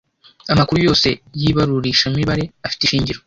amakuru yose y ibarurishamibare afite ishingiro